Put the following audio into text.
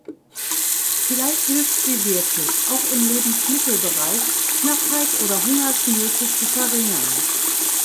Vielleicht hilft sie wirklich, auch im Lebensmittelbereich Knappheit oder Hungersnöte zu verringern.